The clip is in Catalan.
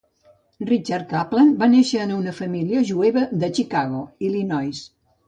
Richard Kaplan va néixer en una família jueva de Chicago, Illinois.